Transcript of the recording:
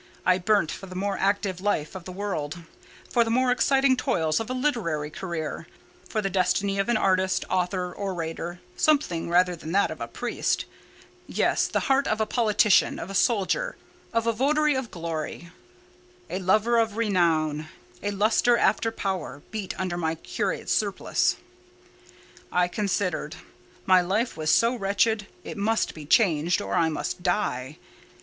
I burnt for the more active life of the world—for the more exciting toils of a literary career—for the destiny of an artist, author, orator; anything rather than that of a priest: yes, the heart of a politician, of a soldier, of a votary of glory, a lover of renown, a luster after power, beat under my curate's surplice. I considered; my life was so wretched, it must be changed, or I must die.